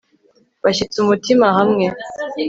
bashyitsa umutima hamwe